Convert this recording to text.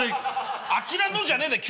あちらのじゃねえんだよ。